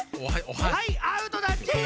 はいアウトだっち！